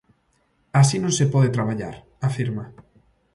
Así non se pode traballar, afirma.